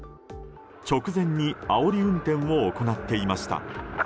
直前にあおり運転を行っていました。